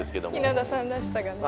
稲田さんらしさがね。